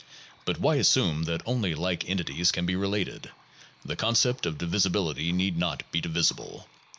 But why assume that only like entities can be related? The concept of divisibility need not be divisible.